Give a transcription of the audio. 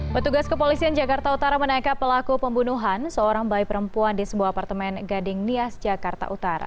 petugas kepolisian jakarta utara menangkap pelaku pembunuhan seorang bayi perempuan di sebuah apartemen gading nias jakarta utara